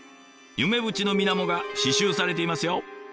夢淵のみなもが刺しゅうされていますよ。